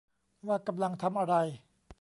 ว่ากำลังทำอะไร